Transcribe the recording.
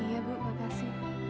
iya bu makasih